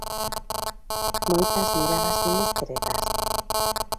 Moitas miradas indiscretas?